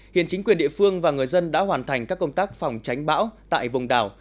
hiện chính quyền địa phương và người dân đã hoàn thành các công tác phòng tránh bão tại vùng đảo